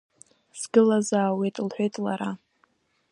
Сгылазаауеит, – лҳәеит лара.